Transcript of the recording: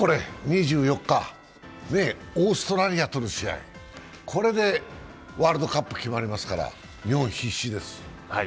２４日、オーストラリアとの試合、これでワールドカップ決まりますから、日本、必死です。